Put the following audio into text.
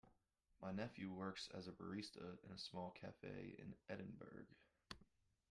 My nephew works as a barista in a small cafe in Edinburgh.